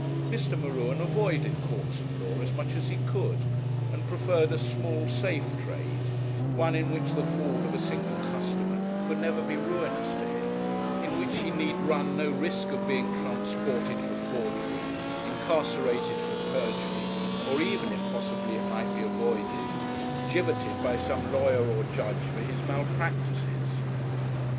Mr. M'Ruen avoided courts of law as much as he could, and preferred a small safe trade; one in which the fall of a single customer could never be ruinous to him; in which he need run no risk of being transported for forgery, incarcerated for perjury, or even, if possibly it might be avoided, gibbeted by some lawyer or judge for his malpractices.